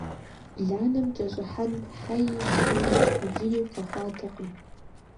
Бланэм кӀэщӀыхьэн хьэи шыи иджыри къэхъуатэкъым.